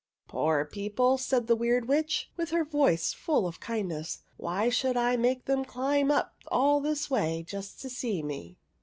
" Poor people !'' said the Weird Witch, with her voice full of kindness ;" why should I make them climb up all this way, just to see me